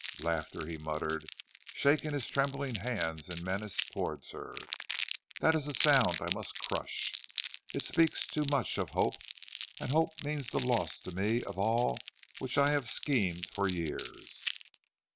"Laughter," he muttered, shaking his trembling hands in menace towards her. "That is a sound I must crush. It speaks too much of hope, and hope means the loss to me of all for which I have schemed for years.